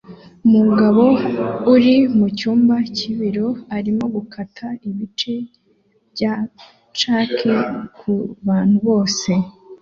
Umugabo uri mu cyumba cyibiro arimo gukata ibice bya cake kubantu bose